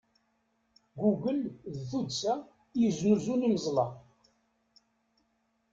Google d tuddsa i yesnuzun imeẓla.